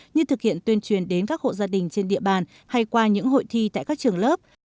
như thực hiện tuyên truyền đến các hộ gia đình trên địa bàn hay qua những hội thi tại các trường lớp